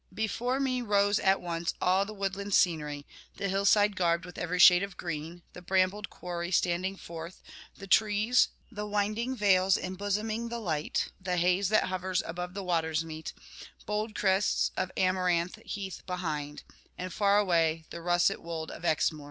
Before me rose at once all the woodland scenery, the hill side garbed with every shade of green, the brambled quarry standing forth, the trees, the winding vales embosoming the light, the haze that hovers above the watersmeet, bold crests of amaranth heath behind, and far away the russet wold of Exmoor.